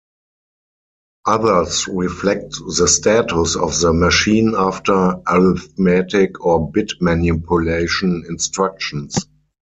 Others reflect the status of the machine after arithmetic or bit manipulation instructions.